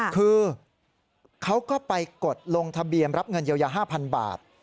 คือเขาก็ไปกดลงทะเบียนรับเงินเยียวยา๕๐๐บาท